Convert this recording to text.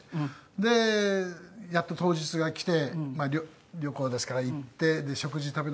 でやっと当日がきて旅行ですから行ってで食事食べて。